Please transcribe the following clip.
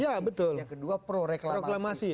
yang kedua pro reklamasi